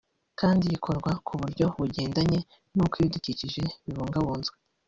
kandi rikorwa ku buryo bugendanye n’uko ibidukikije bibungabunzwe